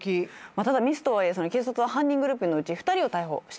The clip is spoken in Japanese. ただミスとはいえ警察は犯人グループのうち２人を逮捕してしまいました。